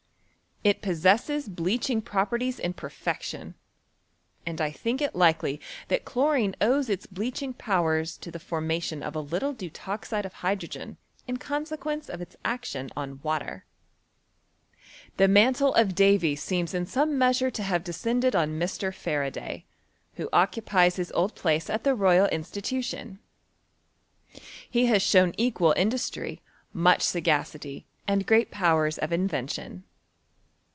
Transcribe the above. It possesses bleaching properties in perfection, and I diink it likely that chlorine owes its bleaching powers to the formation of a little deutoxide of hy drogen in consequence of its action on water. The mantle of Davy seems in some measure to have descended on Mr. Faraday, who occupies his old place at the Royal Institution. He has shown equal industry, much ss^acity, and great powers of invention.